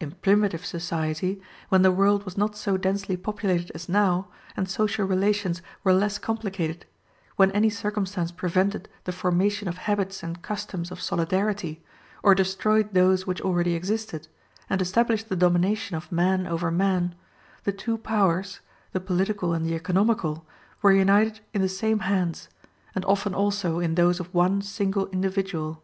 In primitive society, when the world was not so densely populated as now, and social relations were less complicated, when any circumstance prevented the formation of habits and customs of solidarity, or destroyed those which already existed, and established the domination of man over man, the two powers, the political and the economical, were united in the same hands and often also in those of one single individual.